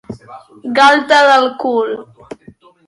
Galta del cul.